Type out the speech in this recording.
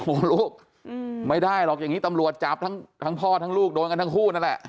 โอ้โหลูกไม่ได้หรอกอย่างนี้ตำรวจจับทั้งพ่อทั้งลูกโดนกันทั้งคู่นั่นแหละ